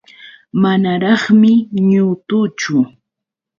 Manaraqmi ñutuchu.